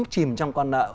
chìm trong con nợ